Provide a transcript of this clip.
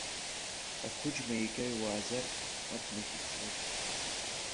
Ақәыџьма егьа иуааӡаргьы, абнахь иԥшуеит.